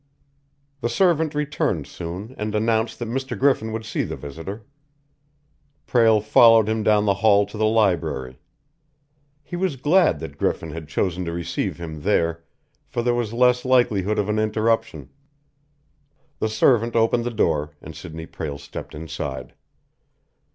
The servant returned soon and announced that Mr. Griffin would see the visitor. Prale followed him down the hall to the library. He was glad that Griffin had chosen to receive him there, for there was less likelihood of an interruption. The servant opened the door, and Sidney Prale stepped inside.